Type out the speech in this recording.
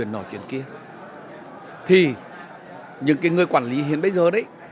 nhiều người quản lý hiện bây giờ